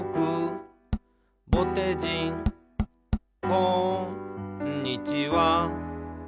「こんにちは」